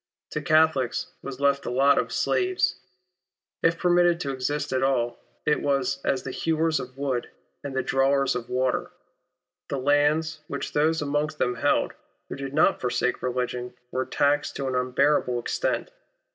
To Catholics was left the lot of slaves. If permitted to exist at all, it was as the hewers of wood and the drawers of water. The lands which those amongst them held, who did not forsake religion, were taxed to an un bearable extent.